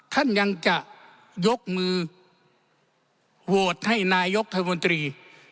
ท่านยังจะยกมือโหวตให้นายกธมนตรี